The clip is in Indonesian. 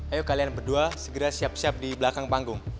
ayo kalian berdua segera siap siap di belakang panggung